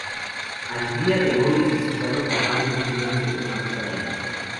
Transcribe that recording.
Al día hoy es visitado por más de tres millones de personas cada año.